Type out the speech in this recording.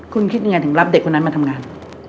คุณคิดยังไงถึงรับเด็กคนนั้นมาทำงาน